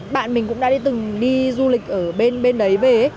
bạn mình cũng đã đi từng đi du lịch ở bên đấy về ấy